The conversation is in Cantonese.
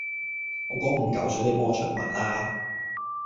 我嗰五嚿水你幫我出埋啦